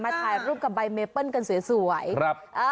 ถ่ายรูปกับใบเมเปิ้ลกันสวยครับ